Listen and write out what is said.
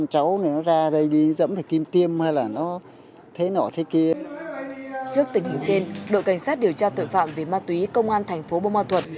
trước tình hình trên đội cảnh sát điều tra tội phạm về ma túy công an thành phố bô ma thuật